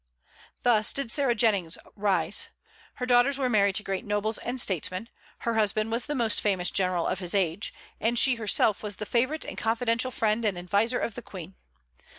Thus did Sarah Jennings rise. Her daughters were married to great nobles and statesmen, her husband was the most famous general of his age, and she herself was the favorite and confidential friend and adviser of the Queen.